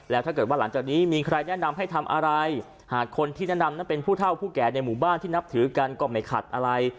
แล้วถ้าเกิดว่าหลังจากนี้มีใครแนะนำให้ทำอะไรหากคนที่แนะนำนั้นเป็นผู้เท่าผู้แก่ในหมู่บ้านที่นับถือกันก็ไม่ขัดอะไร